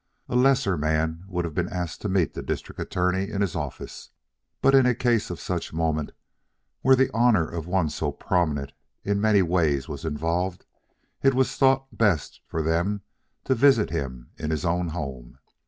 A lesser man would have been asked to meet the District Attorney in his office; but in a case of such moment where the honor of one so prominent in many ways was involved it was thought best for them to visit him in his own home.